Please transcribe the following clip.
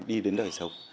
đi đến đời sống